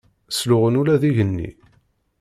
Sluɣen ula d igenni.